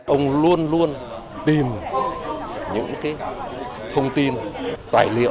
ông luôn luôn tìm những thông tin tài liệu